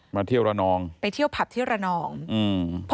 มาเที่ยวระนองไปเที่ยวผับที่ระนองอืม